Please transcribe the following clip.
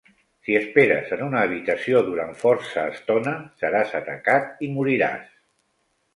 Si esperes en una habitació durant força estona, seràs atacat i moriràs.